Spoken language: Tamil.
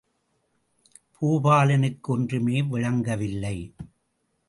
பூபாலனுக்கு ஒன்றுமே விளங்கவில்லை.